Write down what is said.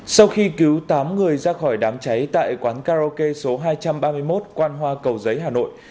sau khi cứu tám người ra khỏi đám cháy tại quán karaoke số hai trăm ba mươi một quan hoa cầu giấy hà nội